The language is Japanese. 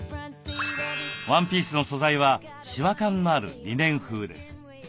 ワンピースの素材はシワ感のあるリネン風です。